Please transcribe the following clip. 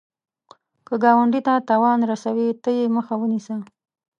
که ګاونډي ته تاوان رسوي، ته یې مخه ونیسه